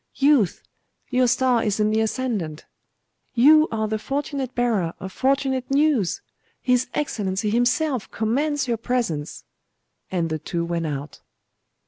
'Youth! your star is in the ascendant; you are the fortunate bearer of fortunate news! His Excellency himself commands your presence.' And the two went out.